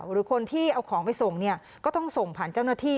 หรือคนที่เอาของไปส่งเนี่ยก็ต้องส่งผ่านเจ้าหน้าที่